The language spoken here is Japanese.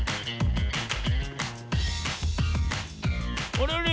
あれあれ？